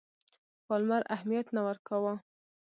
پالمر اهمیت نه ورکاوه.